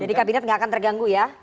jadi kabinet nggak akan terganggu ya